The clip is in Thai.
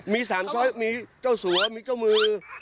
มี๓ช้อยมีเจ้าสัวมีเจ้ามือ